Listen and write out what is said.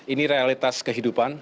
ini realitas kehidupan